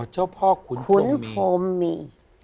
อ๋อเจ้าพ่อขุนโพมมี